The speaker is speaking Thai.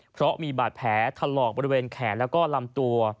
เพราะมีบาดแผลถลอกบริเวณแขนแล้วก็ลำตัว